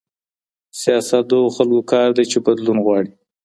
سياست د هغو خلګو کار دی چي بدلون غواړي.